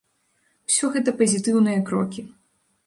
Усё гэта пазітыўныя крокі.